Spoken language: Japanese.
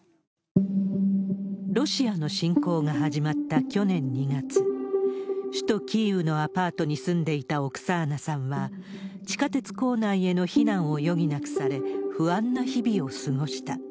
ロシアの侵攻が始まった去年２月、首都キーウのアパートに住んでいたオクサーナさんは、地下鉄構内への避難を余儀なくされ、不安な日々を過ごした。